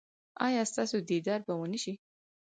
ایا ستاسو دیدار به و نه شي؟